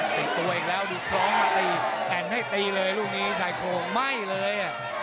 ติดตัวอีกแล้วดูคล้องมาตีแอ่นให้ตีเลยลูกนี้ชายโครงไหม้เลย